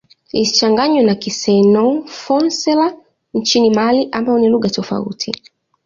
Isichanganywe na Kisenoufo-Syenara nchini Mali ambayo ni lugha tofauti.